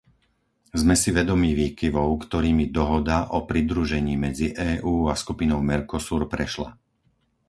Sme si vedomí výkyvov, ktorými dohoda o pridružení medzi EÚ a skupinou Mercosur prešla.